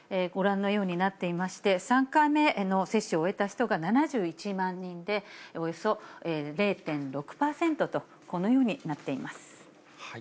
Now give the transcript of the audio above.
ご覧のようになっていまして、３回目の接種を終えた人が７１万人で、およそ０．６％と、このようになっています。